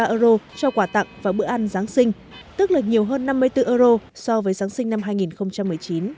ba euro cho quả tặng và bữa ăn giáng sinh tức là nhiều hơn năm mươi bốn euro so với giáng sinh năm hai nghìn một mươi chín